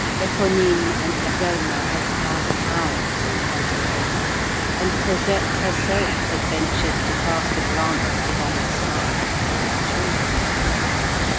Éponine and Azelma had passed hours in contemplating it, and Cosette herself had ventured to cast a glance at it, on the sly, it is true.